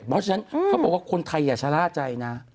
เพราะฉะนั้นเขาบอกว่าคนไทยอย่าชะล่าใจนะ